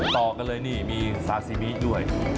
ต่อกันเลยนี่มีซาซิมิด้วย